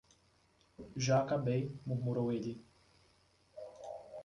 Já acabei, murmurou ele.